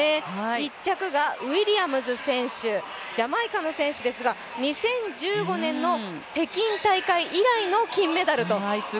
１着がウィリアムズ選手、ジャマイカの選手なんですが、２０１５年の北京大会以来の金メダルと。